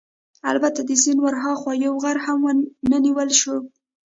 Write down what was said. البته د سیند ورهاخوا یو غر هم ونه نیول شو.